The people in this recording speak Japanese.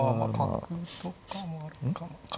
角とかもあるかな。